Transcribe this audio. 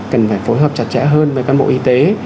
cần phải phối hợp chặt chẽ hơn với cán bộ y tế